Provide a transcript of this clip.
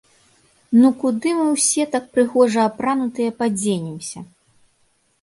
Ну куды мы ўсе так прыгожа апранутыя падзенемся???